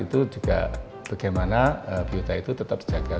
itu juga bagaimana biota itu tetap terjaga